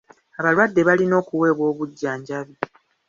Abalwadde balina okuweebwa obujjanjabi.